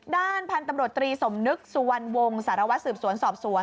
ด้านพันธุ์ตำรวจตรีสมนึกสุวรรณวงศ์สารวัตรสืบสวนสอบสวน